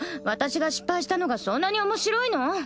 私が失敗したのがそんなに面白いの？